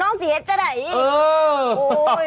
เออเออโอ้โหโอ้โห